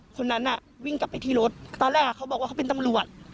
คนนั้นน่ะวิ่งกลับไปที่รถตอนแรกเขาบอกว่าเขาเป็นตำรวจ